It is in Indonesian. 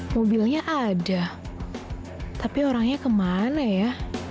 mobilnya ada tapi orangnya kemana ya